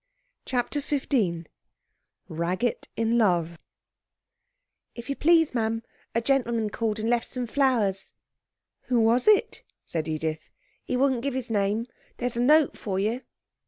CHAPTER XV Raggett in Love 'If you please, ma'am a gentleman called and left some flowers.' 'Who was it?' said Edith. 'He wouldn't give his name. There's a note for you.'